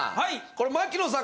これ槙野さん